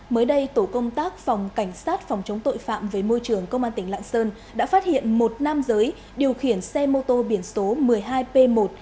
mới đây tổ công tác phòng cảnh sát phòng chống tội phạm về môi trường công an tỉnh lạng sơn đã phát hiện một nam giới điều khiển xe mô tô biển số một mươi hai p một bốn nghìn bảy trăm tám mươi tám